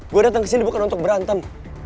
gue datang kesini bukan untuk berantem